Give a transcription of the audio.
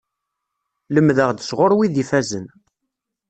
Lemdeɣ-d sɣur wid ifazen.